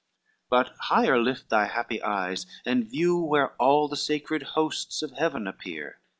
XCVI "But higher lift thy happy eyes, and view Where all the sacred hosts of Heaven appear."